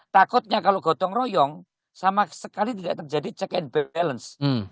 takutnya kalau gotong royong sama sekali tidak terjadi check and balance